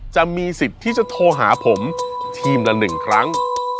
จะมีสิทธิ์ที่จะโทรหาผมทีมละ๑ครั้ง